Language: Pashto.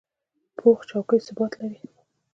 پوخ چوکۍ ثبات لري